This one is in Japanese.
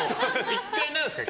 １回、何ですか。